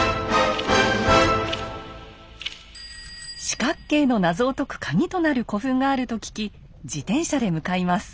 四角形の謎を解くカギとなる古墳があると聞き自転車で向かいます。